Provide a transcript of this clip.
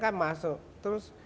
kan masuk terus